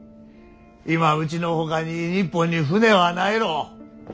今うちのほかに日本に船はないろう。